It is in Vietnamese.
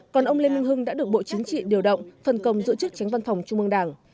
còn ông lê minh hưng đã được bộ chính trị điều động phân công giữ chức tránh văn phòng trung mương đảng